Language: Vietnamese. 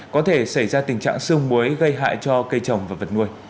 có thể xảy ra tình trạng sương muối gây hại cho cây trồng và vật nuôi